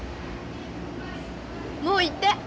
もう行って。